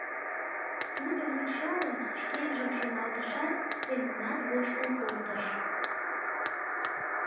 Тудым ончалын, шкенжым шоналтышат, Семонат воштыл колтыш.